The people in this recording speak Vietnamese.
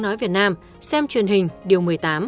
nói việt nam xem truyền hình điều một mươi tám